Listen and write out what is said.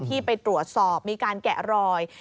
ที่ไปตรวจสอบมีการแกะรอย